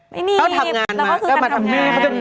ไม่หนีบเขามาทำงาน